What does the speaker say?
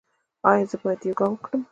ایا زه باید یوګا وکړم؟